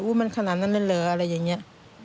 อู้มันขนาดนั้นเหลออะไรอย่างนี้